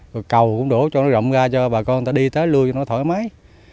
rồi cầu cũng đổ cho nó rộng ra cho bà con ta đi tới luôn cho nó thoải mái